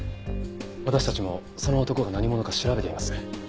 私たちもその男が何者か調べています。